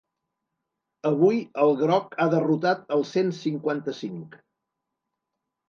Avui el groc ha derrotat el cent cinquanta-cinc.